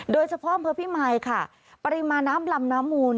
โดยเฉพาะอำเภอพิมายค่ะปริมาณน้ำลำน้ำมูล